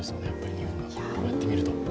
日本が、こうやって見ると。